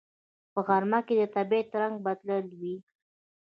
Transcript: په غرمه کې د طبیعت رنگ بدل وي